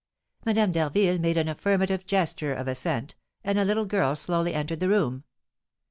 Madame d'Harville made an affirmative gesture of assent, and a little girl slowly entered the room.